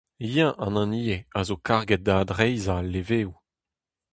Eñ an hini eo a zo karget da adreizhañ al leveoù.